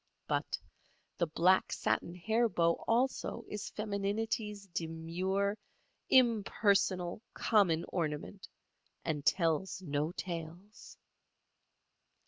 But the black satin hair bow also is femininity's demure, impersonal, common ornament, and tells no tales.